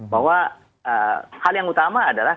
bahwa hal yang utama adalah